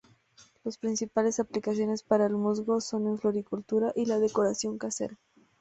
Las principales aplicaciones para el musgo son en floricultura, y la decoración casera.